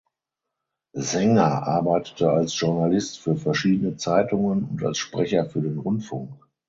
Saenger arbeitete als Journalist für verschiedene Zeitungen und als Sprecher für den Rundfunk.